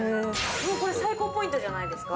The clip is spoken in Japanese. これ最高ポイントじゃないですか？